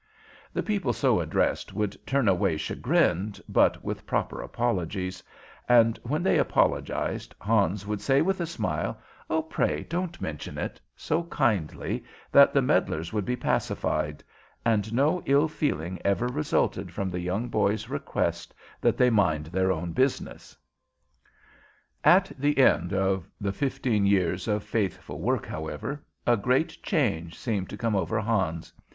The people so addressed would turn away chagrined, but with proper apologies; and when they apologized Hans would say, with a smile, "Pray don't mention it," so kindly that the meddlers would be pacified, and no ill feeling ever resulted from the young boy's request that they mind their own business. At the end of the fifteen years of faithful work, however, a great change seemed to come over Hans.